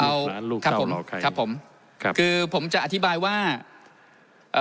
เอาลูกครับผมครับผมครับคือผมจะอธิบายว่าเอ่อ